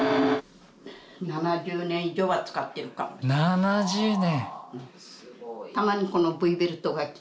７０年！